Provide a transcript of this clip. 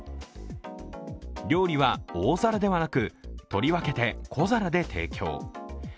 料理は大皿ではなく取り分けて小皿で提供。